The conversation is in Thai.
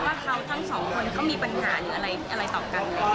ว่าเขาทั้งสองคนเขามีปัญหาหรืออะไรต่อกันไหม